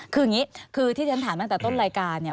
คือที่ฉันถามตั้งแต่ต้นรายการเนี่ย